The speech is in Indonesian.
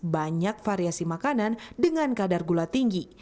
banyak variasi makanan dengan kadar gula tinggi